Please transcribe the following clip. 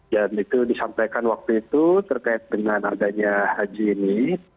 dan itu disampaikan waktu itu terkait dengan adanya haji ini